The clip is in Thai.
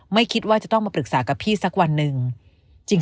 ไม่คิดว่าจะต้องมาปรึกษากับพี่สักวันหนึ่ง